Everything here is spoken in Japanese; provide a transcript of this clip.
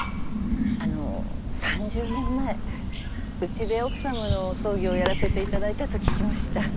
あの３０年前うちで奥さまの葬儀をやらせていただいたと聞きました。